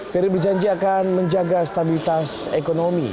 ferry berjanji akan menjaga stabilitas ekonomi